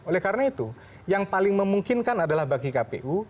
oleh karena itu yang paling memungkinkan adalah bagi kpu